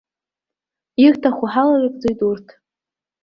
Ирҭаху ҳаларыгӡоит урҭ!